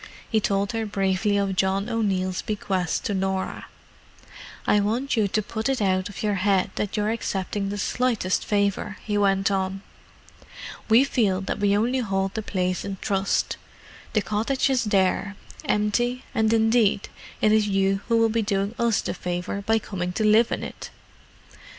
He told her briefly of John O'Neill's bequest to Norah. "I want you to put it out of your head that you're accepting the slightest favour," he went on. "We feel that we only hold the place in trust; the cottage is there, empty, and indeed it is you who will be doing us the favour by coming to live in it."